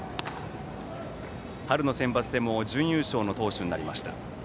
春のセンバツでも準優勝投手になりました。